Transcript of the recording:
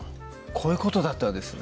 こういうことだったんですね